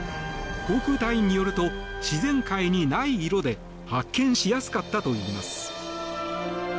航空隊員によると自然界にない色で発見しやすかったといいます。